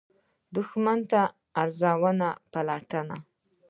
دښمن ستا رازونه پلټي